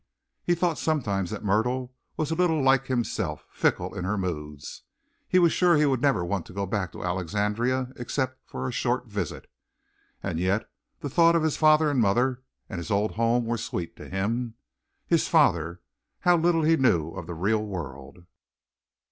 He thought sometimes that Myrtle was a little like himself, fickle in her moods. He was sure he would never want to go back to Alexandria except for a short visit, and yet the thought of his father and his mother and his old home were sweet to him. His father! How little he knew of the real world!